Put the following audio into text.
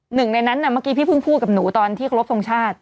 หนึ่งในนั้นเมื่อกี้พี่เพิ่งพูดกับหนูตอนที่ครบทรงชาติ